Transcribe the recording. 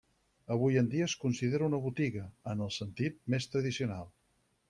Avui en dia es considera una botiga, en el sentit més tradicional.